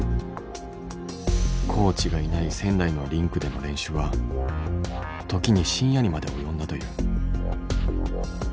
コーチがいない仙台のリンクでの練習は時に深夜にまで及んだという。